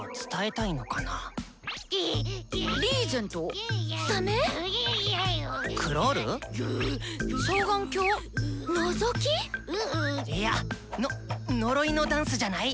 いやっのっ呪いのダンスじゃない？